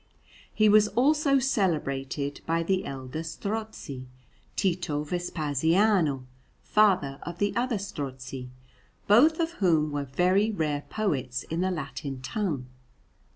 He was also celebrated by the elder Strozzi, Tito Vespasiano, father of the other Strozzi, both of whom were very rare poets in the Latin tongue.